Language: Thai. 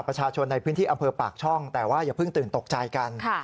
ประชาชนในพื้นที่อำเภอปากช่องแต่ว่าอย่าเพิ่งตื่นตกใจกัน